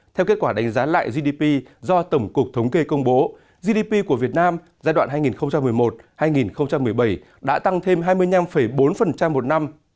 theo kết quả đánh giá lại gdp do tổng cục thống kê công bố gdp của việt nam giai đoạn hai nghìn một mươi một hai nghìn một mươi bảy đã tăng thêm hai mươi năm bốn một năm